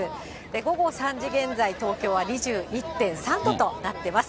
午後３時現在、東京は２１．３度となってます。